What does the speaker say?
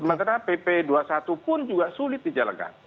sementara pp dua puluh satu pun juga sulit dijalankan